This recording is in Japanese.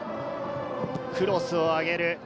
クロスを上げる。